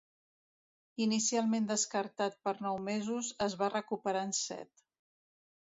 Inicialment descartat per nou mesos, es va recuperar en set.